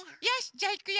じゃあいくよ。